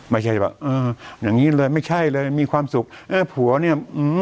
ไม่ใช่ว่าเอออย่างงี้เลยไม่ใช่เลยมีความสุขเออผัวเนี้ยอืม